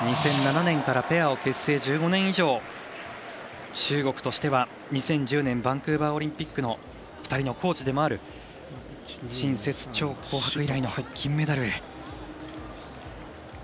２００７年からペアを結成１５年以上中国としては、２０１０年バンクーバーオリンピックの２人のコーチでもある申雪、趙宏博以来の金メダルへ。